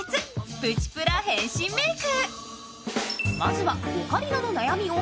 プチプラ変身メーク。